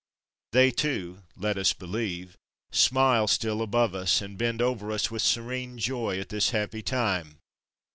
They, too, let us believe, smile still above us, and bend over us with serene joy at this happy time.